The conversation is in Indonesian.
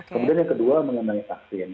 kemudian yang kedua mengenai vaksin